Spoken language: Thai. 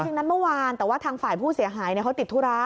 จริงนั้นเมื่อวานแต่ว่าทางฝ่ายผู้เสียหายเขาติดธุระ